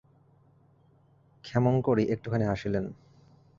ক্ষেমংকরী একটুখানি হাসিলেন।